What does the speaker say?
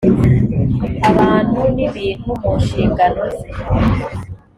abantu n ibintu mu nshingano ze